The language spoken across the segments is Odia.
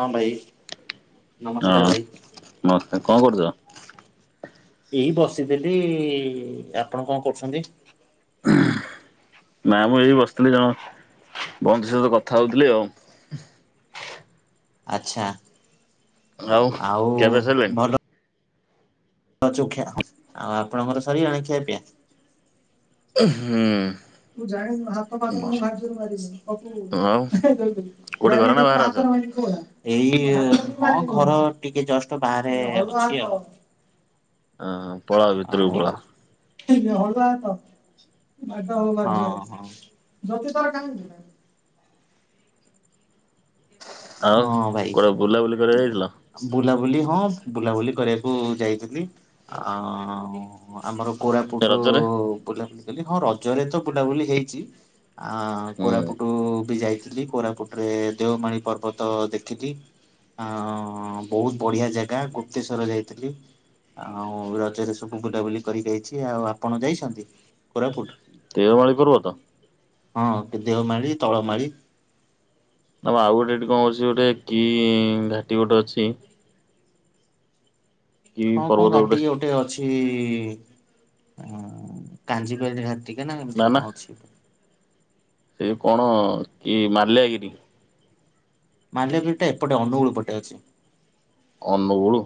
ହଁ ଭାଇ ହଁ ନମସ୍କାର ଭାଇ। ନମସ୍କାର। କଣ କରୁଚ? ଏଇ ବସିଥିଲି। ଆପଣ କଣ କରୁଛନ୍ତି? ନା ମୁଁ ଏଇ ବସିଥିଲି ଜଣ ବନ୍ଧୁ ସହିତ କଥା ହଉଥିଲି ଆଉ। ଆଚ୍ଛା। ଆଉ ଖିଆ ପିଆ ସରିଲାଣି? ଭଲ [unintelligible] ଆଉ ଆପଣଙ୍କର ସରିଗଲାଣି ଖିଆ ପିଆ? ହୁଁ। ତୁ ଜାଣିନୁ ହାତ ପାତରେ ମୁଁ। [unintelligible] [unintelligible] ହାତରେ ଆଉ କୋଉଠି ଘରେ ମାରିବି। ନା ବାହାରେ ଅଛ? ଏଇ ଘର ଟିକେ ଜଷ୍ଟ ବାହାରେ ଅଛି ଆଉ। ଅଁ ପଳ [inaudible] [inaudible] ଆଉ ହଁ ଭାଇ। କୁଆଡେ ବୁଲାବୁଲି କରିବାକୁ ଯାଇଥିଲ ବୁଲାବୁଲି ହଁ ବୁଲାବୁଲି କରିବାକୁ ଯାଇଥିଲି ଆ ହ ଆମର କୋରାପୁଟ ରଜରେ? ବୁଲାବୁଲି କଲି ହଁ ରଜରେ ତ ବୁଲାବୁଲି ହେଇଛି। ଆ ହୁଁ କୋରାପୁଟ ବି ଯାଇଥିଲି କୋରାପୁଟରେ ଦେଓମାଳି ପର୍ବ ତ ଦେଖିଲି ଆ ବହୁତ ବଢିଆ ଜାଗା ଗୁପ୍ତେଶ୍ଵର ଯାଇଥିଲି। ଆଉ ରଜରେ ସବୁ ବୁଲାବୁଲି କରିକି ଯାଇଛି ଆଉ ଆପଣ ଯାଇଛନ୍ତି କୋରାପୁଟ? ଦେଓମାଳି ପର୍ବତ? ହଁ ଦେଓମାଳି ତଳମାଳି ନା ଆଉ ଗୋଟେ ଏଠି କଣ ଅଛି ଗୋଟେ କି ଘାଟି ଗୋଟେ ଅଛି। କି ହଁ କଣ ପର୍ବତ ଘାଟିିକି ଗୋଟେ ଅଛି। ସେ କା [unintelligible] ଟିକେ ନା ଏମିତିରେ କଣ ଅଛି। ସେ କଣ କି ମାଲ୍ୟାଗିରି। ମାଲ୍ୟାଗିରିଟା ଏପଟେ ଅନୁଗୁଳ ପଟେ ଅଛି। ଅନୁଗୁଳ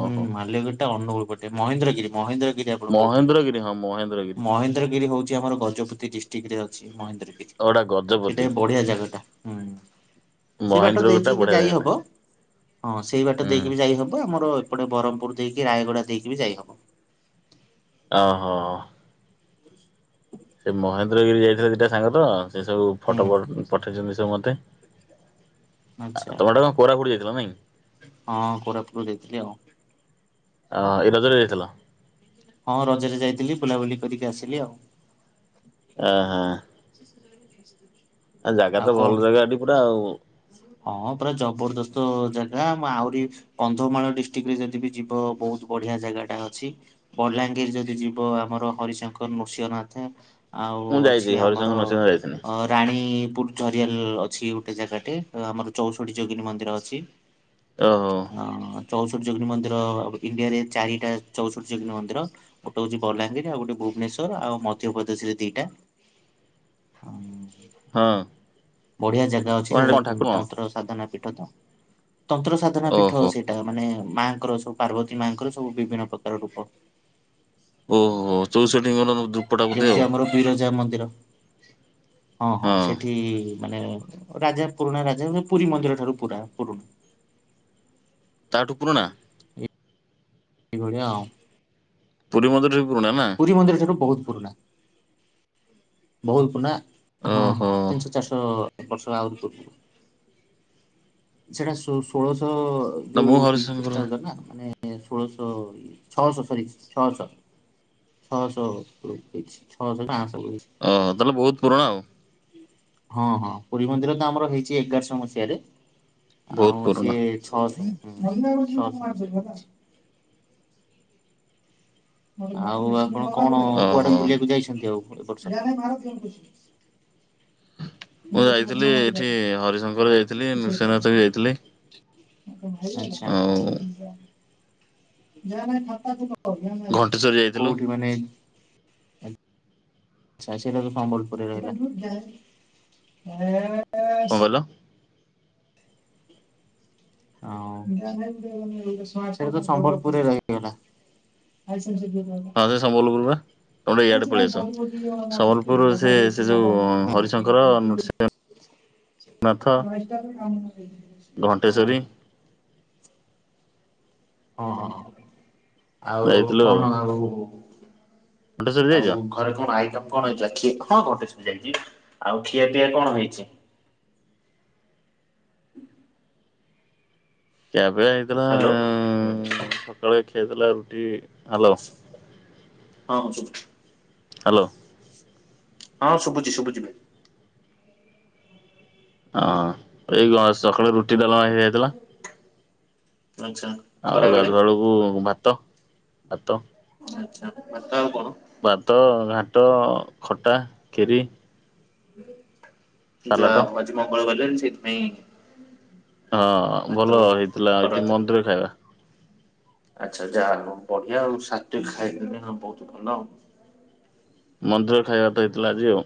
ହୁଁ ମାଲ୍ୟଗିରିଟା ଅନୁଗୁଳପଟେ ମହେନ୍ଦ୍ରଗିରି ମହେନ୍ଦ୍ରଗିରି ଆପଣ କହୁିବେ ମହେନ୍ଦ୍ରଗିରି ହଁ ମହେନ୍ଦ୍ରଗିରି ମହେନ୍ଦ୍ରଗିରି ହଉଛି ଆମର ଗଜପତି ଡିଷ୍ଟ୍ରିକଟ ରେ ଅଛି ମହେନ୍ଦ୍ରଗିରି। ଆଉ ଗୋଟା ସେଟା ଗଜପତି ଏ ବଢିଆ ଜାଗାଟା। ହୁଁ ସେ ବାଟ ମହେନ୍ଦ୍ର ଗୋଟା ଦେଇକି ବି ବଢିଆ ଯାଇ ଜାଗାଟା। ହବ ହଁ ସେଇ ବାଟ ହୁଁ ଦେଇକି ବି ଯାଇ ହବ। ହବ ଆମର ଏଟେ ବ୍ରହ୍ମପୁର ଦେଇକି ରାୟଗଡା ଦେଇକି ବି ଯାଇବ। ଓହୋ ସେ ମହେନ୍ଦ୍ରଗିରି ଯାଇଥିଲେ ଦିଟା ସାଙ୍ଗ ତ ସେ ସବୁ ଫଟୋ ହୁଁ ପଠେଇଛନ୍ତି ସବୁ ମତେ। ଆ ଆଚ୍ଛା ତମର ଟା କଣ କୋରାପୁଟ ଯାଇଥିଲ ନାଇଁ ହଁ କୋରାପୁଟ ଯାଇଥିଲି ଆଉ ଅ ଏ ରଜରେ ଯାଇଥିଲା ହଁ ରଜରେ ଯାଇଥିଲି ବୁଲାବୁଲି କରିକି ଆସିଲି ଆଉ ଓ ହଁ ଆ ଜାଗା ଆଉ ତ କଣ ଭଲ ଜାଗା ଏଠି ପୁରା ଆଉ ହଁ ପୁରା ଜବରଦସ୍ତ ଜାଗା ଆହୁରି କନ୍ଧମାଳ ଡିଷ୍ଟ୍ରିକ୍ଟ ରେ ଯଦି ବି ଯିବ ବହୁତ ବଢିଆ ଜାଗାଟା ଅଛି ବଲାଙ୍ଗିର ଯଦି ଯିବ ଆମର ହରିଶଙ୍କର ନୃସିଂହନାଥ ଆଉ ମୁଁ ଯାଇଛି ଅଛି ହରିଶଙ୍କର ଆମର ନୃସିଂହ ଯାଇଥିଲି। ଅ ରାଣୀପୁର ଝରିଆଲ ଅଛି ଗୋଟେ ଜାଗାଟେ ଆମର ଚଉଷଠୀ ଯୋଗିନୀ ମନ୍ଦିର ଅଛି ଓ ଚଉଷଠି ଯୋଗିନୀ ମନ୍ଦିର ଇଣ୍ଡିଆରେ ଚାରିଟା ଚଉଷଠି ଯୋଗିନୀ ମନ୍ଦିର ଗୋଟେ ହଉଛି ବଲାଙ୍ଗୀର ଆଉ ଗୋଟେ ଭୁବନେଶ୍ୱର ଆଉ ମଧ୍ୟପ୍ରଦେଶରେ ଦିଟା ହଁ ବଢିଆ ଜାଗା ଅଛି କଣ ସେଠି ସେଟା କଣ ଠାକୁର କଣ? ତନ୍ତ୍ର ସାଧନା ପୀଠ ତ ତନ୍ତ୍ର ସାଧନା ପୀଠ ଓହୋ ସେଇଟା ସେଟା ମାନେ ମାଙ୍କର ସବୁ ପାର୍ବତୀ ମାଆଙ୍କର ସବୁ ବିଭିନ୍ନ ପ୍ରକାର ରୂପ ଓହୋ ତ ସେଠ ଓଙ୍କୁ ଯେମିତି ଆମର ବିରଜା ମନ୍ଦିର ହଁ ହଁ ସେଠି ମାନେ ରାଜା ପୁରୁଣା ରାଜା ମେ ପୁରୀ ମନ୍ଦିର ଠାରୁ ପୁରା ପୁରୁଣା ତାଠୁ ପୁରୁଣା ଏଳିଆ ଆଉ ପୁରୀ ମନ୍ଦିର ବି ପୁରୁଣା ନା ପୁରୀ ମନ୍ଦିରଠୁ ବି ବହୁତ ପୁରୁଣା ବହୁତ ପୁରୁଣା ହଁ ଓହୋ। ହଁ ତିନିଶହ ଚାରିଶହ ବର୍ଷ ଆହୁରି ପୂର୍ବରୁ ସେଇଟା ଷୋଳଶହ ନା ଯୋଉ ମୁଁ ହରିଶଙ୍କର ଖ୍ରୀଷ୍ଟାବ୍ଦ ନା ମାନେ ଷୋଳଶହ ଛଅଶହ ସରି ଛଅଶହ [inaudible] ଓହ ତାହେଲେ ବହୁତ ପୁରୁଣା ଆଉ ହଁ ହଁ ପୁରୀ ମନ୍ଦିର ତ ଆମର ହେଇଛି ଏଗାରଶହ ମସିହାରେ ବହୁତ ପୁରୁଣା [inaudible] ଆଉ ଆପଣ କଣ କୁଆଡେ ଓହୋ। ବୁଲିବାକୁ ଯାଇଛନ୍ତି ଆଉ ଏପର୍ଷ ମୁଁ ଯାଇଥିଲି ଏଠି ହରିଶଙ୍କର ଯାଇଥିଲି ନୃସିଅନାଥ ବି ଯାଇଥିଲି। ଆଉ ଘଣ୍ଟେଶ୍ଵରୀ [inaudible] ଯାଇଥିଲୁ କୋଉଠି ମାନେ। ଆଛା ସେଇଟା ତ ସମ୍ବଲପୁରରେ ରହିଲା। କଣ କହିଲ? ହଉ ସେଠ ତ ସମ୍ବଲପୁରରେ ରହିଗଲା। [inaudible] [inaudible] ତ ଗୋଟେ ଇଆଡ଼େ ପଳେଇ ଆସ ସମ୍ବଲପୁର ସେ ସେ ଯେଉଁ ହରିଶଙ୍କର ରହିଗଲା। ଘଣ୍ଟେଶ୍ଵରୀ [inaudible] ହଁ ହଁ ଆଉ କଣ ଆଉ ଘଣ୍ଟେଶ୍ଵରୀ ଯାଇଛ? ଆଉ ଘରେ କଣ ଆଇକ କଣ ହେଇଥିଲା ଖ ହଁ ଘଟେଶ ଯାଇଛି ଆଉ ଖିଆପିଆ କଣ ହେଇଛି। କେବେ ହେଇଥିଲା ହ୍ୟାଲୋ ହଁ ସକାଳେ ଖିଆଇଥିଲା ରୁଟି ହାଲୁ ହଁ ହ୍ୟାଲୋ ହଁ ଶୁଭୁଛି ଶୁଭୁଛି ଭାଇ ହଁ ଏଇଣ ସକାଳେ ରୁଟି ଡାଲମା ହେଇଯାଇଥିଲା ଆଚ୍ଛା ଆଉ ଖରାବେଳେ ଗାଧୁଆ ବଳକୁ ଭାତ ଭାତ ଆଚ୍ଛା ମ ଆଉ କଣ ଭାତ ଘାଟ ଖଟା ଖିରି ଯା ସାଲାଟ ଆଜ ମଙ୍ଗଳ ଗଲେ ସେଇଥି ପାଇଁ ହଁ ଭଲ ହେଇଥିଲା ଏଠି ତରକାରୀ ମନ୍ଦିର ଖାଇବା ଆଚ୍ଛା ଯାହା ବଢିଆ ଆଉ ସଵାସ୍ ଖାଇକି ବହୁତ ଭଲ ଆଉ ମନ୍ଦିର ଖାଇବା ତ ହେଇଥିଲା ଆଜି ଆଉ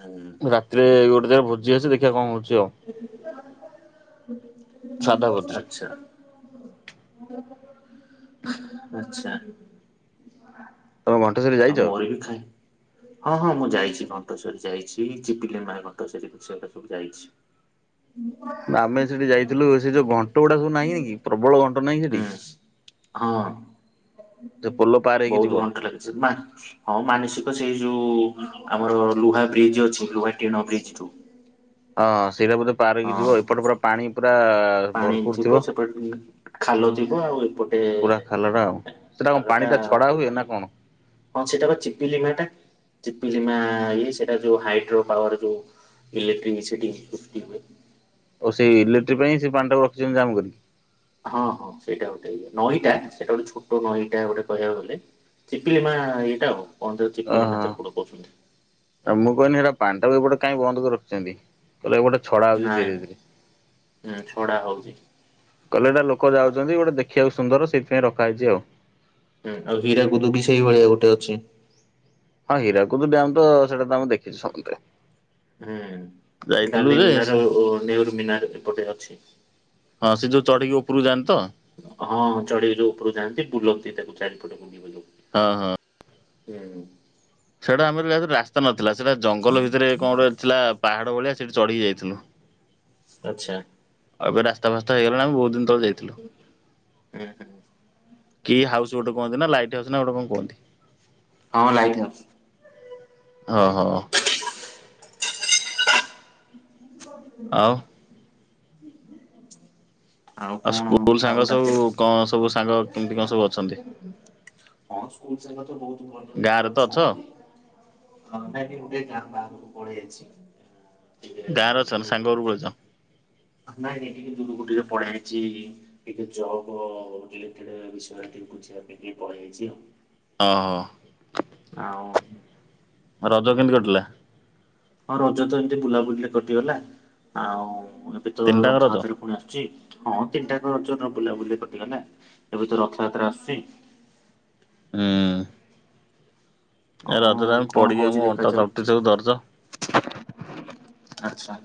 ହୁଁ ରାତିରେ ଗୋଟେ ତରେ ଭୋଜି ଅଛି ଦେଖିବା କଣ ହଉଛି ଆଉ ଆଚ୍ଛା ଆଚଛା ଆଉ ସାଧା ଭୋଜି। ମୋର ବି ଖାଏ ହଁ ହଁ ମୁଁ ଯାଇଛି ତମେ ଘଣ୍ଟେଶ୍ୱରୀ ଘଣ୍ଟଶ୍ୱରୀ ଯାଇଛ? ଯାଇଛି ଚିପିଲି ମା ଘଣ୍ଟେଶ୍ଵରୀ ସେ ସବୁ ଯାଇଛି ନା ଆମେ ସେଠି ଯାଇଥିଲୁ ସେ ଯଉ ଘଣ୍ଟ ଗୁଡା ସବୁ ନାହିଁ କି ପ୍ରବଳ ଘଣ୍ଟ ନାହିଁ ସେଠି ହୁଁ ହଁ ସେ ପୋଲୋ ପାର ହେଇକି ଯିବ ଲାଗ ହଁ ମାନସିକ ସେଇ ଯୋଉ ଆମର ଲୁହା ବ୍ରିଜ୍ ଅଛି ଲୁହା ଟିଣ ବ୍ରିଜ ରୁ ହଁ ସେଇଟ ପାରିକି ଯିବ ଏପଟ ପୁରା ପାଣି ପୁରା ପାଣି ଭରପୁର ଥିବ ସେପଟେ ଖାଲ ଥିବ ଆଉ ଏପଟେ ପୁରା ଖାଲ ଟା ଆଉ ସେଟା କଣ ଖାଲଟା ପାଣି ଟା ଛଡା ଏପଟେ ହୁଏ ପାଣି ନା କଣ ହଁ ସେଇଟା କଛିି ପିଲିମା ଟା ଚପମାଇ ସେଇଟା ଯୋଉ ହାଇଡ୍ରୋ ପାୱାର ଯୋଉ ଇଲେକ୍ଟ୍ରିସିଟି ସୃଷ୍ଟି ହୁଏ ଆଉ ସେଇ ଇଲେକ୍ଟ୍ରିକ୍ ପାଇଁ ସେ ପାଣି ଟା ରଖିଛନ୍ତି ଦାମ କରିକି ହଁ ହଁ ସେଇଟା ଗୋଟେ ଇ ନଈଟା ସେଇଟା ଗୋଟେ ଛୋଟ ନଈଟା ଗୋଟେ କହିବାକୁ ଗଲେ ଚିପିଲି ମା ଏଇଟା ଆଉ କଣ ଯ ଚିପିଲି ମା କଡ କହୁଛନ୍ତି ତ ମୁଁ କହିନି ହେଟା ପାଣି ଟା ବି ଏପଟେ କାଇହିଁ ବନ୍ଦ କରି ରଖିଛନ୍ତି? କହିଲେ ଏପଟେ ଛଡା ହଉଛି, ନାଇଁ ଧୀରେ ଧୀରେ। ହୁଁ ଛଡା ହଉଛି କହିଲେ ଏଟା ଲୋକ ଯାଉଛନ୍ତି ଗୋଟେ ଦେଖିବାକୁ ସୁନ୍ଦର, ସେଇଥିପାଇଁ ରଖା ହେଇଛି ଆଉ। ହୁଁ ଆଉ ହୀରାକୁୁଦୁ ବି ସେଇଭଳିଆ ଗୋଟେ ଅଛି। ହଁ ହୀରାକୁଦୂ ଡ୍ୟାମ୍ ତ ସେଟା ତ ଆମେ ଦେଖିଛୁ ସାମୁଦାୟି। ହୁଁ ଗାନ୍ଧୀ ଯେ ମିନାର ସେ ଓ ନେହରୁ ମିନାର ଏପଟେ ଅଛି। ହଁ ସେ ଯୋଉ ଚଢ଼ିକି ଉପରକୁ ଯାନ୍ତି ତ? ହଁ ଚାଢିକି ଯୋଉ ଉପରୁକୁ ଯାଆନ୍ତି, ବୁଲନ୍ତି ତାକୁ ଚାରିପଟ କୁଣ୍ଡିବ ହଁ ହଁ। ହୁଁ। ସେଇଟା ଆମେ ଯେତେବେଳେ ଯାଇଥିଲୁ ରାସ୍ତା ନଥିଲା। ସେଇଟା ଜଙ୍ଗଲ ଭିତରେ କଣ ଗୋଟେ ଥିଲା ପାହାଡ ଭଳିଆ ସେଇଠି ଚଢିକି ଯାଇଥିଲୁ। ଆଛା। ଆଉ ଏବେ ରାସ୍ତା ଫାସ୍ତା ହେଇଗଲାଣି ଆମେ ବୋହୁତ୍ ଦିନ ତଳେ ଯାଇଥିଲୁ। ହୁଁ ହୁଁ କି ହାଉସ୍ ଗୋଟେ କହନ୍ତି ନା ଲାଇଟ ହାଉସ୍ ନା ଗୋଟ କଣ କହନ୍ତି? ହଁ ଲାଇଟ୍ ହାଉସ୍। ଓ ହୋ। [inaudible] ଆଉ। ହ ଆଉ ସ୍କୁଲ ସାଙ୍ଗ ସବୁ କଣ ସବୁ ସାଙ୍ଗ କେମିତି କଣ ସବୁ ଅଛନ୍ତି? ହଁ ସ୍କୁଲ ସାଙ୍ଗ ତ ବୋହୁତ୍ ଭଲରେ ହିଁ ଗାଁରେ ତ ଅଛ ଅଛନ୍ତି। ଥଣ୍ଡାରି ଗୋଟେ ଗାଁ ବାହାରହାରକୁ ପଳେଇ ଆସିଛି। ଗାଁରେ ଅଛ ନା ସାଙ୍ଗ ଘରକୁ ପଳେଇଛ? ନାଇଁ ଏଠିକି ଦୁରକୁ ଟିକେ ପଳେଇଆଇଛି। ଟିକେ ଜବ ରେଲେଟେଡ ବିଷୟରେ ଟିକେ ବୁଝିବା ପାଇଁ କି କହିଦେଇଛି ଆଉ। ଓହୋ। ଆଉ। ରଜ କେମିତି କଟିଲା? ହଁ ରଜ ତ ଏମତି ବୁଲାବୁଲିରେ କଟିଗଲା ଆଉ ଏବେ ତ ତିନିଟାଙ୍କ ରଥ ରଜ? ଯାତ୍ରା ପୁଣି ଆସୁଛି। ହଁ ତିନିଟା କ ରଜ ବୁଲାବୁଲିରେ କଟିଗଲା। ଏବେ ତ ରଥଯାତ୍ରା ଆସୁଛି। ହୁଁ। ଏ ରଜରେ ଆଉ ଆମେ କଣ ପଡିକି ଆମ ହଉଛି ଅଣ୍ଟା ଦେଖାଯାଉ। ତଣ୍ଟି ସବୁ ଦରଜ। ଆଚ୍ଛା।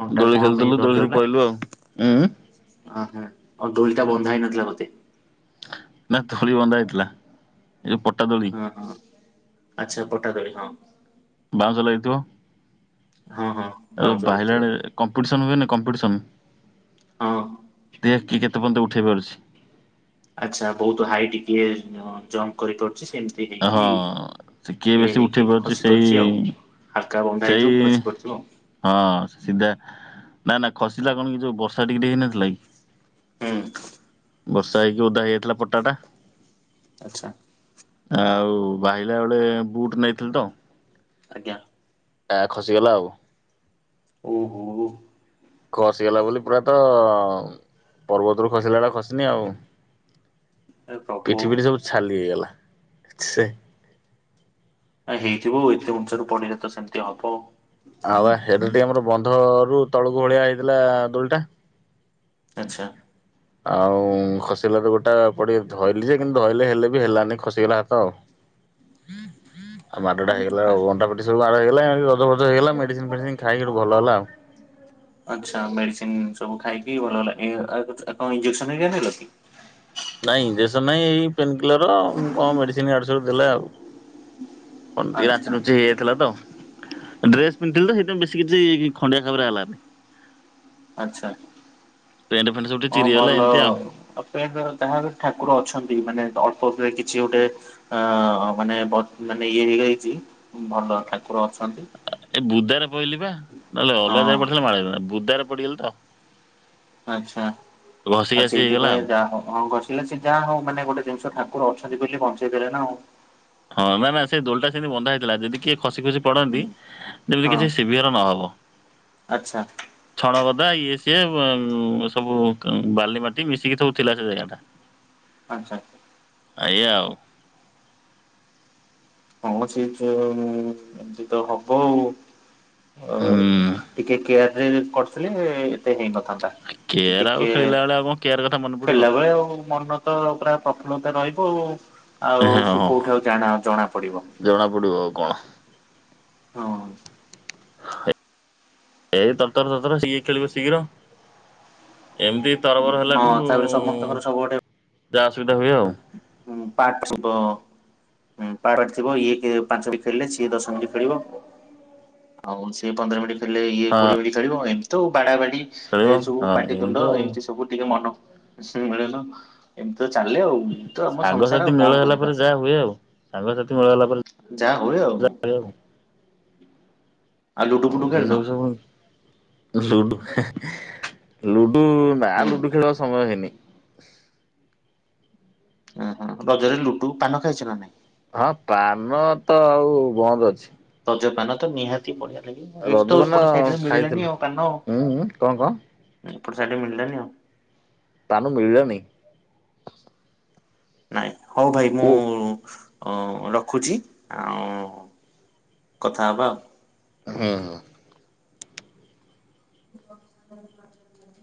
ଅଣ୍ଟା ଦୋଳି କଣ ପାଇଁ ଖେଳିଥିଲୁ ଦୋଳିରୁ ପଳଲୁ ଆଉ। ଉଁ ଉଁ। ଆ ହଁ, ଆଉ ଦୋଳିଟା ବନ୍ଧା ହେଇ ନଥିଲା ବୋଧେ? ନା ଦୋଳି ବନ୍ଧା ହେଇଥିଲା। ଏ ଯୋଉ ପଟା ଦୋଳି। ହଁ ହଁ ଆଚ୍ଛା ପଟାଦୋଳୀ, ହଁ। ବାଉଁଶ ଲାଗିଥିବ? ହଁ ହଁ। ଆଉ ବାଉଁଶ ଲାଗିଥିବ ବାହିଲଣି କମ୍ପିଟିସନ୍ ହୁଏନ କମ୍ପିଟିସନ୍, ହଁ। ଦେଖୀ କିଏ କେତେ ପର୍ଯ୍ୟନ୍ତ ଉଠାଇ ପାରୁଛି? ଆଚ୍ଛା ବୋହୁତ୍ ହାଇଟି କିଏ ଜମ୍ପ କରିପାରୁଛି ସେମତି। ଏମିତି ହଁ ସେ କିଏ ହେଇକି ଇଏ ବେଶୀ ହେଇକି ଉଠେଇ ପାରୁଛି ଖସି ସେଇ ପଡିଛି ଆଉ। ହାଲକା ବନ୍ଧା ସେଇ ହେଇଥିବ ଖସି ପଡିଥିବ। ହଁ ସିଧା ନା ନା ଖସିଲା କଣ କି ଯୋଉ ବ ବର୍ଷା ଟିକେ ଟିକେ ହେଇନଥିଲା କି? ହୁଁ ବର୍ଷା ହେଇକି ଓଦା ହେଇଯାଇଥିଲା ପଟା ଟା। ଆଚ୍ଛା। ଆଉ ବାହିଲା ବେଳେ ବୁଟ୍ ନାଇଥିଲି ତ। ଆଜ୍ଞା। ଟା ଖସିଗଲା ଆଉ। ଓହୋ। ଖସିଗଲା ବୋଲି ପୁରା ତ ପର୍ବତରୁ ଖସିଲା ଭଳିଆ ଖସିିନି ଆଉ। ଏ ପ୍ରଭୁ ପିଠି ପିଠି ସବୁ ଛାଲି ହେଇଗଲା ଛେ। ହେଇଥିବ ଏତେ ଉଚ୍ଚା ରୁ ପଡିଲେ ତ ସେମିତି ହବ। ଆଉ ବା ହେଲେ ଟିକେ ଆମର ବନ୍ଧ ରୁ ତଳକୁ ଭଳିଆ ହେଇଥିଲା ଦୋଳିଟା। ଆଚ୍ଛା। ଆଉ ଖସିଲା ତ ଗୋଡ୍ ଟା ପଡ଼ିଗଲି ଧଇଲି ଯେ କିନ୍ତୁ ଧଇଲେ ହେଲେ ବି ହେଲାନି ଖସିଗଲା ହାତ ଆଉ। [inaudible] ଆଉ ମାଡଟା ହେଇଗଲା ଆଉ ଅଣ୍ଟା ପିଠି ସବୁ ମାଡ ହେଇଗଲା ଏ ରଜ ଫଜ ହେଇଗଲା ମେଡିସିନ ଫେଡିସିନ ଖାଇକି ଭଲ ହେଲା ଆଉ। ଆଚ୍ଛା ମେଡିସିନ ସବୁ ଖାଇକି ଭଲ ହେଲା ଏ କଣ ଇଞ୍ଜେକ୍ସନ ହେରିକା ନେଲା କି। ନାଇଁ ଇଂଜେସନ ନାଇଁ ଏଇ ପେନ କିଲର କଣ ମେଡିସିନ ୟାଡୁ ସିଆଡୁ ଦେଲେ ଆଉ। କଣ ଟିକେ ରାଞ୍ଚି ଆଚ୍ଛା ରୁଞ୍ଚି ହେଇଯାଇଥିଲା ତ। ଡ୍ରେସ ପିନ୍ଧିଥିଲି ତ ସେଇଥିପାଇଁ ବେଶୀ କିଛି ଖଣ୍ଡିଆ ଖାବରା ହେଲାନି। ଆଛା ପେଣ୍ଟ ଫେଣ୍ଟ ସବୁ ଟିକେ ହଁ ଚିରିଗଲା ଭଲ। ଏମିତି ଆଉ। ମେନ ଦ୍ୱାର ତାହାର ଠାକୁର ଅଛନ୍ତି ମାନେ ଅଳ୍ପ ଅଳ୍ପରେ କିଛି ଗୋଟେ ଅ ମାନେ ବ ମାନେ ଇଏ ହେଇଯାଇଛି ଭଲ ଠାକୁର ଅଛନ୍ତି। ଏ ବୁଦାରେ ପଇଲି ପା ନହେଲେ ଅଲଗାରେ ଜାଗାରେ ହଁ ପଡ଼ିଥିଲେ ମାଡ ହେଇଥାନ୍ତା ବୁଦାରେ ପଡିଗଲି ତ। ଆଛା ଘଷି ଆଉ ଘାସି ହେଇଗଲା ସେଇଥିପାଇଁ ଆଉ। ଯାହା ହଁ ହଁ କର ହେଲେ ସେ ଯାହା ହଉ ମାନେ ଗୋଟେ ଜିନିଷ ଠାକୁର ଅଛନ୍ତି ବୋଲି ବଞ୍ଚେଇ ଦେଲେ ନା ଆଉ। ହଁ ନା ନା ସେ ଦୋଳିଟା ସେଠି ବନ୍ଧାହେଇଥିଲା ଯଦି କିଏ ଖସି ଖସି ପଡନ୍ତି ଯେମିତି ହଁ କିଛି ଶିବିୟର ନହବ। ଆଚ୍ଛା ଛଣଗଦା ଇଏ ସିଏ ଉ ସବୁ ବାଲି ମାଟି ମିଶିକି ସବୁ ଥିଲା ସେ ଜାଗା ଟା। ଆଚ୍ଛା। ଏଇଆ ଆଉ। କୌଣସି ଏମତି ତ ହବ ଆଉ ହୁଁ [unintelligible] ଟିକେ କେୟାର ରେ କରିଥିଲେ ଏତେ ହେଇନଥ ହନ୍ତା କି କେୟାର ଆଉ ଟିକେ ଖେଳିଲା ବେଳେ ଆଉ କଣ କେୟାର କଥା ମନେ ପଡିବ। ଖେଳିଲା ବେଳେ ଆଉ ମନ ତ ପୁରା ପ୍ରଫୁଲ୍ଲତା ରହିବ ଆଉ ସିଏ ହଁ କୋଉଠି ଆଉ ଜ ଜଣା ପଡିବ। ଜଣା ପଡିବ ଆଉ କଣ। ହଁ। ହେ ଏଇ ତର ତର ତରତର ସିଏ ଖେଳିବ ଶୀଘ୍ର। ଏମିତି ତରବର ହେଲାଠୁ ହଁ ତାପରେ ସମସ୍ତଙ୍କର ସବୁ ଯାହା ଅସୁବିଧା ହୁଏ ଆଉ। ହଁ ପାଠଛିପ [unintelligible] ହୁଁ ପାରାଗ ଥିବ ଇଏ କେ ପାଞ୍ଚ ମିନିଟ୍ ଖେଳିଲେ ସିଏ ଦଶ ମିନିଟ୍ ଖେଳିବ। ଆଉ ସିଏ ପନ୍ଦର ମିନିଟ ଖେଳିଲେ ଇଏ କୋଡିଏ ମିନିଟ ଖେଳିବ ଏମିତି ତ ଆଉ ବାଡା ବାଡି। ଖେଳିବ ଏଇ ସବୁ ହଁ ପାଟିତୁଣ୍ଡ ଆଉ। ଏମିତି ସ ସବୁ ଟିକେ ମନ [unintelligible] ମିଳନ ଏମିତି ତ ଚାଲେ ଆଉ ତ ଆମ ସଂସାର ଆଉ ସାଙ୍ଗସାଥି କଣ ମେଳ ହେଲା କରିବା। ପରେ ଯାହା ହୁଏ ଆଉ ସାଙ୍ଗସାଥି ମେଳ ହେଲା ପରେ ଯାହା ହୁଏ ଆଉ ଯା [unintelligible] ଆଉ ଲୁଡୁ ଫୁଡ଼ୁ ହଉ ସେ ଖେଳିନ। ସବୁ ସବୁ ଲୁଡୁ ଲୁଡୁ ନା ହୁଁ ଲୁଡୁ ଖେଳ ସମୟ ହେଇନି। ଓଁ ହ ରଜରେ ଲୁଟୁ ପାନ ଖାଇଛ ନା ନାଇଁ। ହଁ ପାନ ତ ଆଉ ବନ୍ଦ ଅଛି। ରଜ ପାନ ତ ନିହାତି ବଢିଆ ଲାଗିବ ଏଇଠି ତ ରଜପାନ ଏପଟ ସାଇଡ ରେ ଖାଇଥିଲୁ ମିଳିଲାନି ଆଉ ପାନ ଆଉ। ଉଁ ଉଁ କଣ କଣ ଆ ପଟ୍ ସାଇଡ ରେ ମିଳିଲାଣିି ଆଉ। ପାନ ମିଳିଲାନି। ନାଇଁ ହଉ ଭାଇ ମୁଁ ଓ ରଖୁଛି ଆଉ କଥା ହବା ଆଉ। ହୁଁ ହୁଁ। [inaudible]